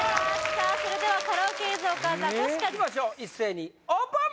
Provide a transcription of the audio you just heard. さあそれではカラオケ映像かザコシかいきましょう一斉にオープン！